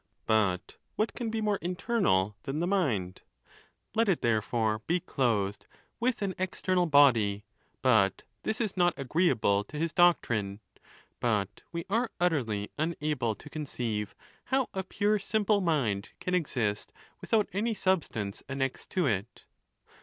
But what can be more internal than the mind ? Let it, therefore, be clothed with an ex ternal body. But this is not agreeable to his doctrine ; but we are utterly unable to conceive how a pure simple mind can exist without any substance annexed to it.